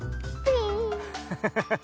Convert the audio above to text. ハハハハ。